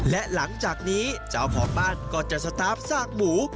และหลังจากนี้เจ้าของบ้านก็จะสตาร์ฟซากหมู